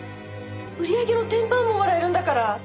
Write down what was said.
売り上げの１０パーももらえるんだから。